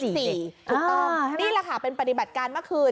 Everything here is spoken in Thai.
ถูกต้องนี่แหละค่ะเป็นปฏิบัติการเมื่อคืน